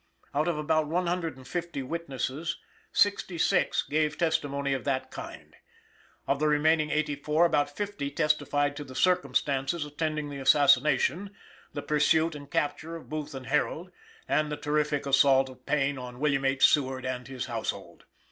Out of about one hundred and fifty witnesses sixty six gave testimony of that kind. Of the remaining eighty four about fifty testified to the circumstances attending the assassination, the pursuit and capture of Booth and Herold, and the terrific assault of Payne on William H. Seward and his household.